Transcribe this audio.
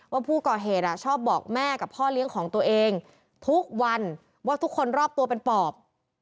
ว่าผู้ก่อเหตุชอบบอกแม่กับพ่อเลี้ยงของตัวเองทุกวันว่าทุกคนรอบตัวเป็นปอบ